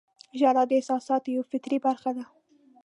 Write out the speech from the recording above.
• ژړا د احساساتو یوه فطري برخه ده.